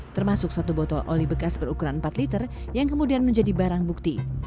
termasuk satu botol oli bekas berukuran empat liter yang kemudian menjadi barang bukti